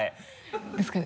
ですかね